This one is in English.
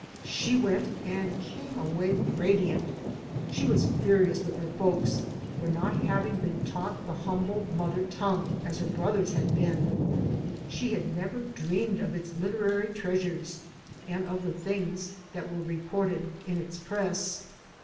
She went and came away radiant. She was furious with 171 AN AMERICAN IN THE MAKING her folks for not having been taught the humble mother tongue, as her brothers had been. She had never dreamed of ltd literary treasures and of the things that were reported in its press.